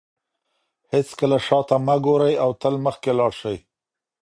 هیڅکله شاته مه ګورئ او تل مخکې لاړ شئ.